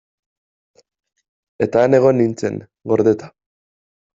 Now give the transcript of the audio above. Eta han egon nintzen, gordeta.